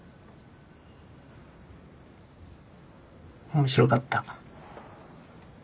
面白かった。